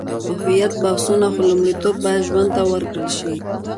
په هویت بحثونه، خو لومړیتوب باید ژوند ته ورکړل شي.